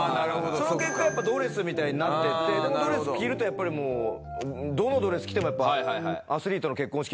その結果やっぱドレスみたいになっていってでもドレス着るとやっぱりもうどのドレス着てもやっぱ。